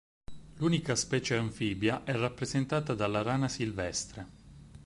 L'unica specie anfibia è rappresentata dalla rana silvestre.